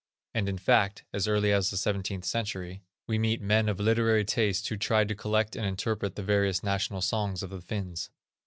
And, in fact, as early as the seventeenth century, we meet men of literary tastes who tried to collect and interpret the various national songs of the Finns.